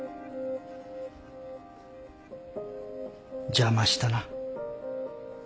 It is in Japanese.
邪魔したな。